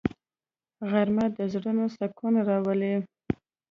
غرمه د زړونو سکون راولي